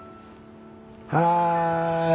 はい！